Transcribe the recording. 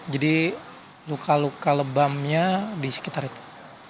jadi luka luka lebamnya di sekitar itu